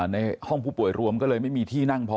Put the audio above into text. ในห้องผู้ป่วยรวมก็เลยไม่มีที่นั่งพอ